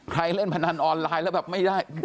เล่นพนันออนไลน์แล้วแบบไม่ได้